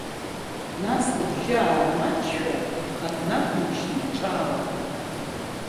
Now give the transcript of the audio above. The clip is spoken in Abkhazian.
Нас лыбжьы аармаҷшәа, аха днақәымчны ҿаалҭит…